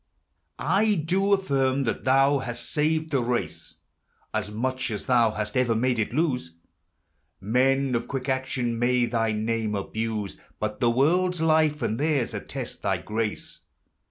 I do affirm that thou hast saved the race As much as thou hast ever made it to Men of quick action may thy name abus But the world's life and theirs attest thy grace.